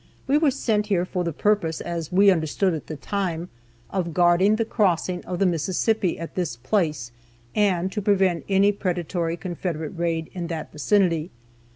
We were sent here for the purpose, as we understood at the time, of guarding the crossing of the Mississippi at this place, and to prevent any predatory Confederate raid in that vicinity.